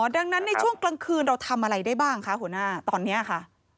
ดังนั้นในช่วงกลางคืนเราทำอะไรได้บ้างคะหัวหน้าตอนนี้ค่ะ